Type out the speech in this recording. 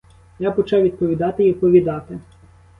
Я почав відповідати й оповідати.